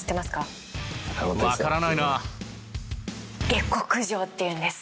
下克上って言うんです。